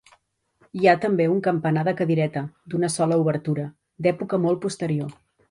Hi ha també un campanar de cadireta, d'una sola obertura, d'època molt posterior.